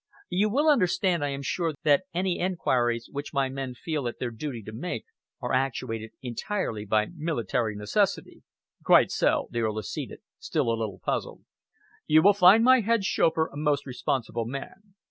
You will understand, I am sure, that any enquiries which my men may feel it their duty to make are actuated entirely by military necessity." "Quite so," the Earl acceded, still a little puzzled. "You will find my head chauffeur a most responsible man.